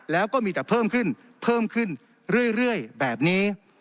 แล้วก็มีแต่เพิ่มขึ้นเพิ่มขึ้นเรื่อยแบบนี้